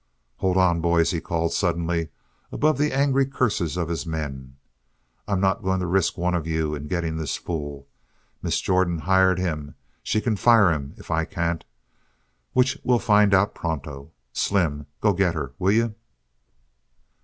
"Hold on, boys," he called suddenly, above the angry curses of his men, "I'm not going to risk one of you in getting this fool. Miss Jordan hired him. She can fire him if I can't. Which we'll find out pronto. Slim, go get her, will you?"